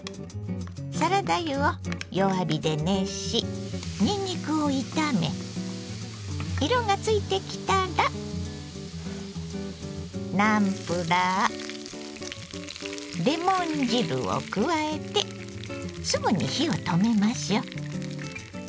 サラダ油を弱火で熱しにんにくを炒め色がついてきたらナムプラーレモン汁を加えてすぐに火を止めましょう。